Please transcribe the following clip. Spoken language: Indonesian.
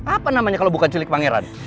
apa namanya kalau bukan cilik pangeran